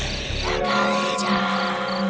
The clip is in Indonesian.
sampai kecommunik agakansur di rumah